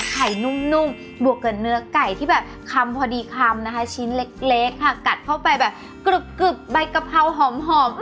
นุ่มบวกกับเนื้อไก่ที่แบบคำพอดีคำนะคะชิ้นเล็กค่ะกัดเข้าไปแบบกรึบใบกะเพราหอม